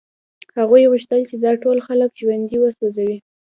هغوی غوښتل چې دا ټول خلک ژوندي وسوځوي